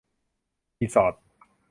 รีสอร์ท